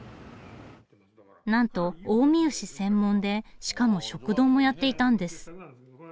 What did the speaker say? なんと近江牛専門でしかも食堂もやっていたんです。